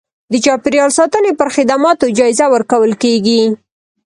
د چاپیریال ساتنې پر خدماتو جایزه ورکول کېږي.